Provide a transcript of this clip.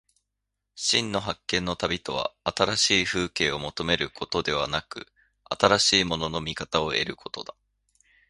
真の発見の旅とは、新しい風景を求めることでなく、新しいものの見方を得ることだ。